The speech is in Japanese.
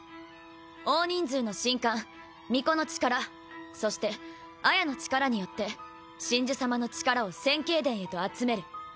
大人数の神官巫女の力そして亜耶の力によって神樹様の力を千景殿へと集める。